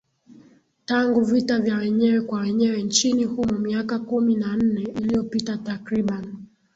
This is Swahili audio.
tangu vita vya wenyewe kwa wenyewe nchini humo miaka kumi na nne iliyopita takriban